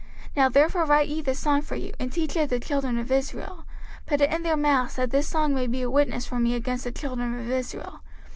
05:031:019 Now therefore write ye this song for you, and teach it the children of Israel: put it in their mouths, that this song may be a witness for me against the children of Israel.